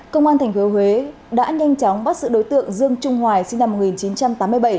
công an tp huế đã nhanh chóng bắt sự đối tượng dương trung hoài sinh năm một nghìn chín trăm tám mươi bảy